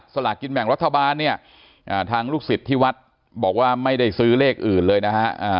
สลากกินแบ่งรัฐบาลเนี่ยทางลูกศิษย์ที่วัดบอกว่าไม่ได้ซื้อเลขอื่นเลยนะฮะ